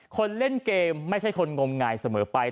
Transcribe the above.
คนเล่นเกมไม่ใช่คนงมงายเสมอไป